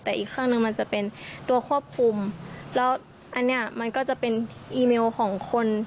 แต่อีกข้างหนึ่งมันจะเป็นตัวควบคุมแล้วอันนี้มันก็จะเป็นอีเมลของคน